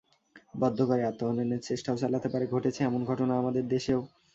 বদ্ধ ঘরে আত্মহননের চেষ্টাও চালাতে পারে, ঘটেছে এমন ঘটনা আমাদের দেশেও।